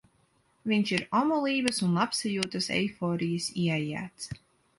Viņš ir omulības un labsajūtas eiforijas ieaijāts.